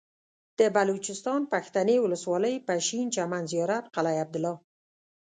د بلوچستان پښتنې ولسوالۍ پشين چمن زيارت قلعه عبدالله